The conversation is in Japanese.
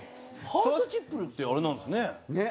ハートチップルってあれなんですね。